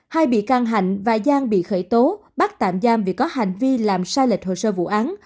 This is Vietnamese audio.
hai bị can hạnh và giang bị khởi tố bắt tạm giam vì có hành vi làm sai lệch hồ sơ vụ án